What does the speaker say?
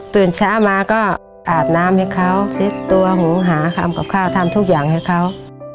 ตื่นเช้ามาก็อาบน้ำให้เขาเช็ดตัวหุงหาทำกับข้าวทำทุกอย่างให้เขา